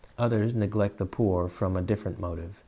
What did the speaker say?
Others neglect the poor from a different motive.